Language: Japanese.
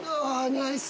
ナイス。